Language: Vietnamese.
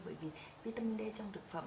bởi vì vitamin d trong thực phẩm